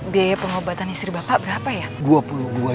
biaya pengobatan istri bapak berapa ya